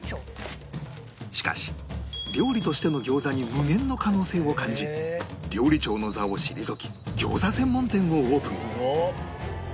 しかし料理としての餃子に無限の可能性を感じ料理長の座を退き餃子専門店をオープン